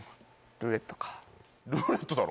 「ルーレット」だろ！